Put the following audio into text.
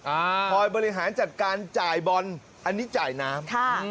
คอยบริหารจัดการจ่ายบอลอันนี้จ่ายน้ำค่ะ